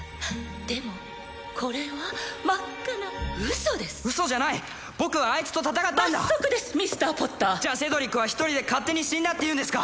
でもこれは真っ赤な嘘です嘘じゃない僕はあいつと戦ったんだ罰則ですミスター・ポッターじゃあセドリックは１人で勝手に死んだっていうんですか？